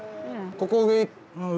ここ上？